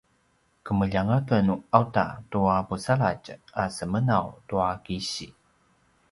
kemeljang aken auta tua pusaladj a semenaw tua kisi